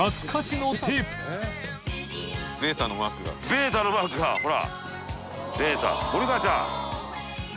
ベータのマークがほら。